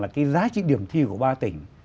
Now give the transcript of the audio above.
là cái giá trị điểm thi của ba tỉnh